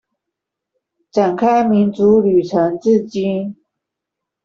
展開民主旅程至今